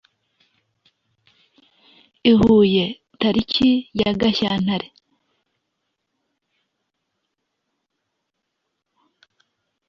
iHuye tariki ya Gashyantare